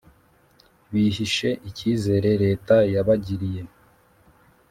bihishe icyizere leta yabagiriye: